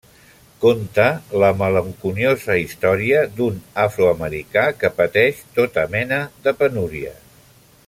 Conta la malenconiosa història d'un afroamericà que pateix tota mena de penúries.